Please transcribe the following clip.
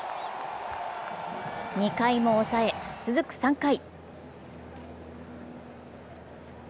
２回も抑え、続く３回。